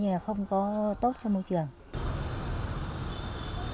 không có tốt không có tốt không có tốt không có tốt